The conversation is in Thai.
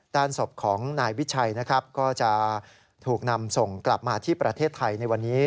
ด้านศพของนายวิชัยนะครับก็จะถูกนำส่งกลับมาที่ประเทศไทยในวันนี้